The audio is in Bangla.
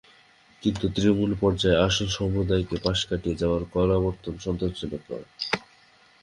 কিন্তু তৃণমূল পর্যায়ে আসল সম্প্রদায়কে পাশ কাটিয়ে যাওয়ার কলাবর্তন সন্তোষজনক নয়।